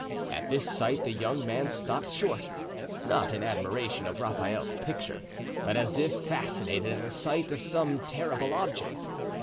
At this sight the young man stopped short, not in admiration of Raphael's picture, but as if fascinated at the sight of some terrible object.